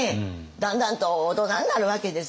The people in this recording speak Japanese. だんだんと大人になるわけですわ。